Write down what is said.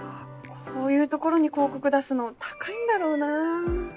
こういう所に広告出すの高いんだろうな。